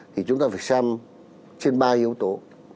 thì chúng ta phải xem trên ba yếu tố